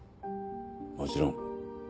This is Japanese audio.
もちろん。